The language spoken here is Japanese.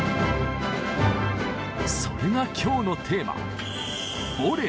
それが今日のテーマ